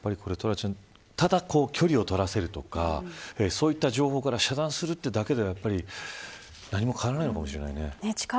ただ距離をとらせるとかそういう情報から遮断するだけでは何も変わらないのかもしれないね。